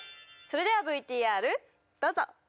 それではＶＴＲどうぞ！